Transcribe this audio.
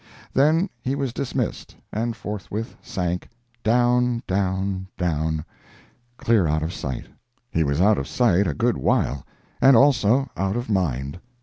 Then he was dismissed, and forthwith sank, down, down, down—clear out of sight. He was out of sight a good while—and also out of mind.